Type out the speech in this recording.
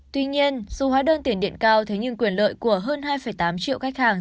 tuy nhiên dù hóa đơn tiền điện cao thế nhưng quyền lợi của hơn hai tám triệu khách hàng